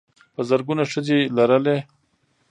په زرګونه ښځې لرلې.